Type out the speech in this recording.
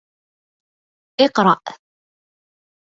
اقرأ!